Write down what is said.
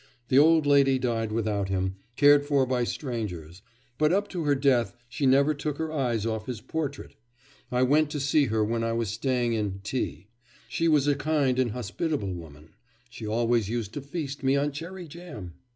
The old lady died without him, cared for by strangers; but up to her death she never took her eyes off his portrait. I went to see her when I was staying in T . She was a kind and hospitable woman; she always used to feast me on cherry jam.